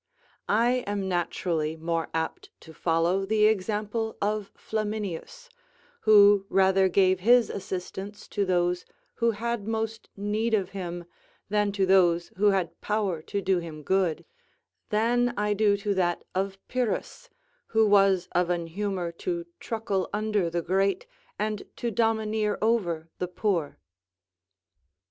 I am naturally more apt to follow the example of Flaminius, who rather gave his assistance to those who had most need of him than to those who had power to do him good, than I do to that of Pyrrhus, who was of an humour to truckle under the great and to domineer over the poor.